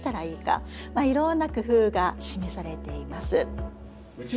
いろんな工夫が示されています。